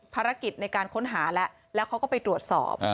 ภารกิจในการค้นหาแล้วแล้วเขาก็ไปตรวจสอบ